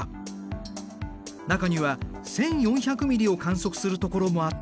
中には１，４００ミリを観測する所もあったんだ。